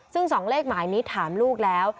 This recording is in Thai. ซึ่ง๒เลขหมายนี้ถามลูกแล้ว